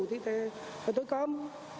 thì tôi cầm